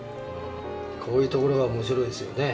こういうところが面白いですよね。